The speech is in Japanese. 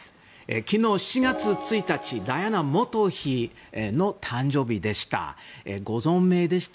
昨日、７月１日はダイアナ元妃の誕生日でした。